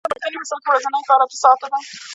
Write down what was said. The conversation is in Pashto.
مثلاً په پورتني مثال کې ورځنی کار اته ساعته دی